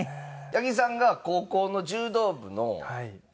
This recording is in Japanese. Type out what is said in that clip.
八木さんが高校の柔道部のキャプテン。